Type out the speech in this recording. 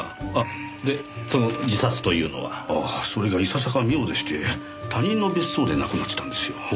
でその自殺というのは？それがいささか妙でして他人の別荘で亡くなってたんですよ。